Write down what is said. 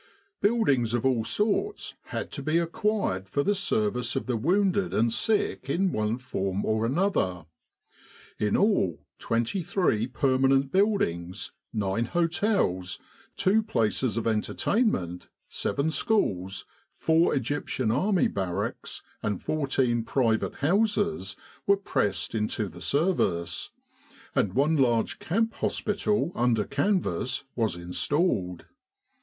Build ings of all sorts had to be acquired for the service of the wounded and sick in one form or another. In all, twenty three permanent buildings, nine hotels, two places of entertainment, seven schools, four Egyptian Army barracks, and fourteen private houses were pressed into the service, and one large camp hospital under canvas was installed.